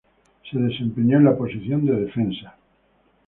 Se desempeñó en la posición de defensa.